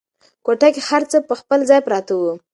کوټه کې هر څه پر خپل ځای پراته وو.